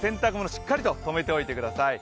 しっかりと止めておいてください。